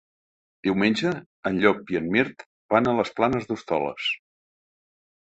Diumenge en Llop i en Mirt van a les Planes d'Hostoles.